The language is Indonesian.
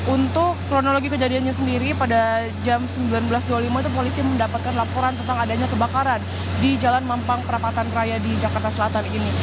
untuk kronologi kejadiannya sendiri pada jam sembilan belas dua puluh lima itu polisi mendapatkan laporan tentang adanya kebakaran di jalan mampang perapatan raya di jakarta selatan ini